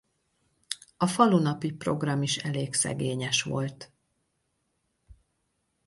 A falunapi program is elég szegényes volt.